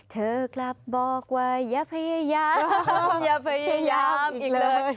เธอกลับบอกว่าอย่าพยายามอย่าพยายามอีกเลย